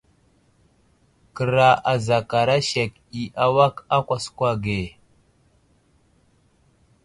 Kəra azakara sek i awak a kwaakwa ge.